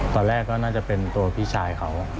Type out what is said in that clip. ตอนแรกก็น่าจะเป็นตัวพี่ชายเขา